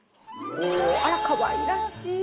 あらかわいらしい！